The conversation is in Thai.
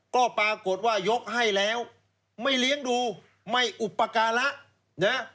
ก็ปรากฏว่ายกให้แล้วไม่เลี้ยงดูไม่อุปการะนะ